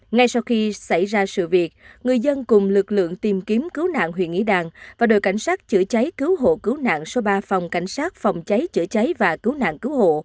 ngay sau khi xảy ra sự việc người dân cùng lực lượng tìm kiếm cứu nạn huyện nghĩa đàn và đội cảnh sát chữa cháy cứu hộ cứu nạn số ba phòng cảnh sát phòng cháy chữa cháy và cứu nạn cứu hộ